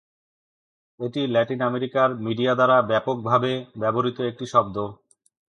এটি ল্যাটিন আমেরিকার মিডিয়া দ্বারা ব্যাপকভাবে ব্যবহৃত একটি শব্দ।